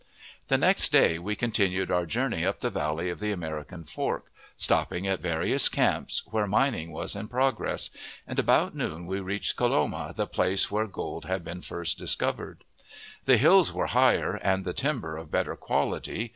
The next day we continued our journey up the valley of the American Fork, stopping at various camps, where mining was in progress; and about noon we reached Coloma, the place where gold had been first discovered. The hills were higher, and the timber of better quality.